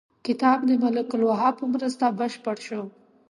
کتاب د ملک الوهاب په مرسته بشپړ شو.